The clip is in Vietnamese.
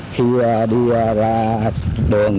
khi đi ra đường